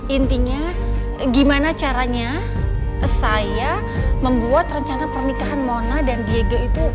intinya gimana cara saya membuat pernikahan mona dengan diego itu